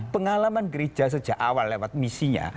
pengalaman gereja sejak awal lewat misinya